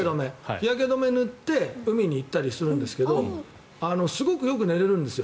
日焼け止めを塗って海に行ったりするんですけどすごくよく寝れるんですよ。